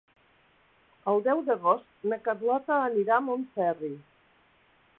El deu d'agost na Carlota anirà a Montferri.